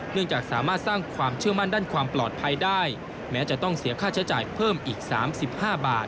จากสามารถสร้างความเชื่อมั่นด้านความปลอดภัยได้แม้จะต้องเสียค่าใช้จ่ายเพิ่มอีก๓๕บาท